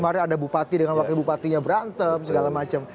kemarin ada bupati dengan wakil bupatinya berantem segala macam